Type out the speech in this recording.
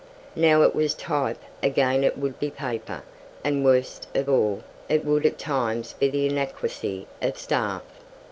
Now it was type, again it would be paper, and, worst of all, it would at times be the inadequacy of staff.